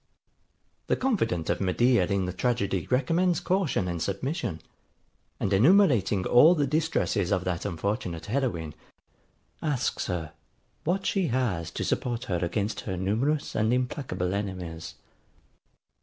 The confident of Medea in the tragedy recommends caution and submission; and enumerating all the distresses of that unfortunate heroine, asks her, what she has to support her against her numerous and implacable enemies.